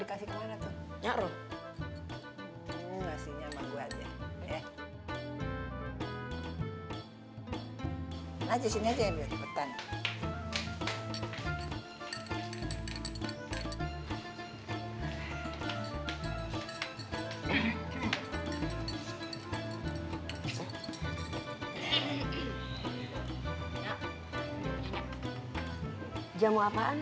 jamu apaan itu jam